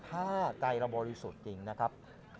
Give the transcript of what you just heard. ถ้าใจเราบริสุทธิ์จริงนะครับ